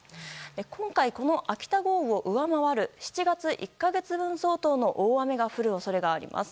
今回、この秋田豪雨を上回る７月１か月分相当の大雨が降る恐れがあります。